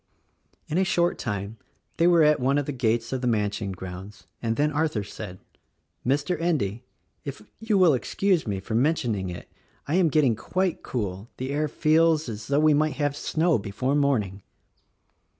In a short time they were at one of the gates of the mansion grounds, and then Arthur said, "Mr. Endy. if you will excuse me for mentioning it I am getting quite cool — the air feels as though we might have snow before morn ing."